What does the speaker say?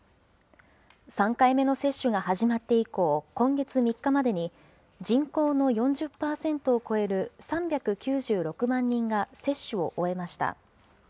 ３回目の接種が始まって以降、今月３日までに人口の４０％を超える３９６万人が接種を終えました。